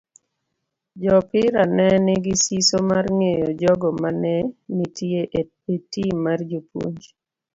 Joopira ne nigi siso mar ng'eyo jogo mane nitie e tim mar japuonj.